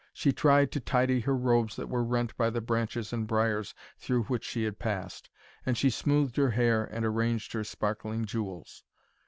She tried to tidy her robes that were rent by the branches and briars through which she had passed, and she smoothed her hair, and arranged her sparkling jewels.